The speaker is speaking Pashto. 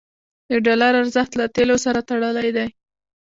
د ډالر ارزښت له تیلو سره تړلی دی.